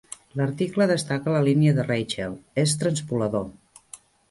L'article destaca la línia de Rachel "És transpolador!".